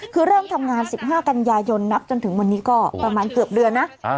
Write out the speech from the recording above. คือเริ่มทำงาน๑๕กันยายนนับจนถึงวันนี้ก็ประมาณเกือบเดือนนะ